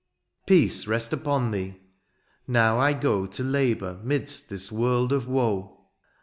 " Peace rest upon thee ! Now I go '^ To labour 'midst this world of woe.